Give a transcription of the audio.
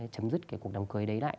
chấm dứt cái cuộc đám cưới đấy lại